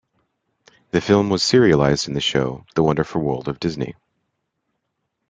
The film was serialized in the show "The Wonderful World of Disney".